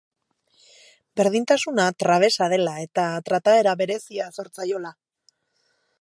Berdintasuna trabesa dela eta trataera berezia zor zaiola.